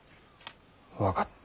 分かった。